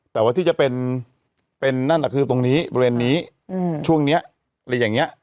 แต่ว่าที่จะเป็นนั่นคือตรงนี้บริเวณนี้ช่วงนี้อะไรอย่างนี้